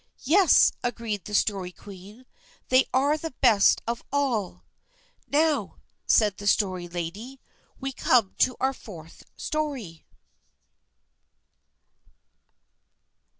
"Yes," agreed the Story Queen; "they are the best of all." "Now," said the Story Lady, "we come to our fourth story."